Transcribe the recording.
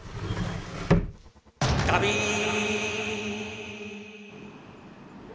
ガビーン！